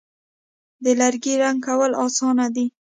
د لرګي رنګ کول آسانه دي.